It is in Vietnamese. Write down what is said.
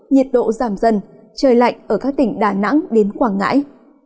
nhiệt độ giảm dần trời lạnh ở các tỉnh đà nẵng đến quảng ngãi